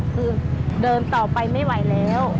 คือเดินต่อไปไม่ไหวแล้ว